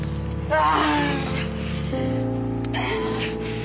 ああ！